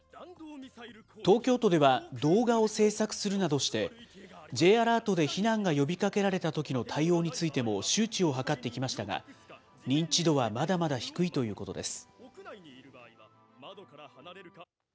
東京都では動画を制作するなどして、Ｊアラートで避難が呼びかけられたときの対応についても、周知を図ってきましたが、認知度はまだまだ低いということです。